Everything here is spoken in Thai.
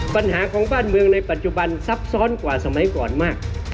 ปัญหาของบ้านเมืองในปัจจุบันซับซ้อนกว่าสมัยก่อนมาก